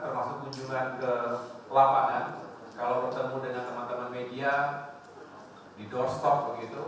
termasuk kunjungan ke lapangan kalau bertemu dengan teman teman media di doorstop begitu